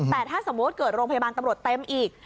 แต่ถ้าสมมุติเกิดโรงพยาบาลตำรวจเต็มอีก